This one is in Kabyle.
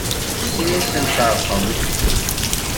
Anda ay asent-terqamt?